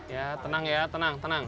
ya tenang ya tenang tenang